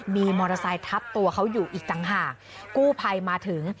มีมอเตอร์ไซค์ทับตัวเขาอยู่อีกต่างหากกู้ภัยมาถึง